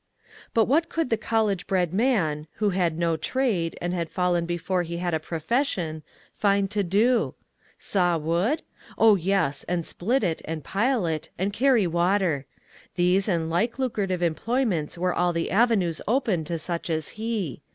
But what could the college bred man, who had no trade, and had fallen before he had a profession, find to do ? Saw wood ? Oh, yes ; and split it, and pile it, and carry water. These and like lucrative employments were all the avenues open to such as he.